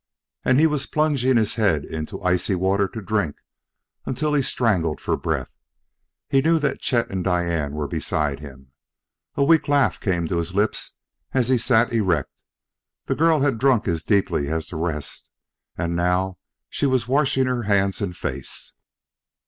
And he was plunging his head into icy water to drink until he strangled for breath! He knew that Chet and Diane were beside him. A weak laugh came to his lips as he sat erect: the girl had drunk as deeply as the rest and now she was washing her hands and face.